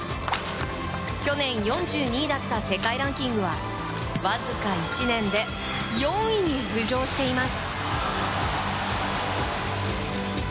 去年、４２位だった世界ランキングはわずか１年で４位に浮上しています。